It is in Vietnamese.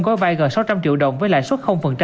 gói vai gờ sáu trăm linh triệu đồng với lãi suất